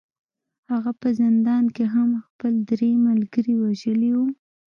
هغه په زندان کې هم خپل درې ملګري وژلي وو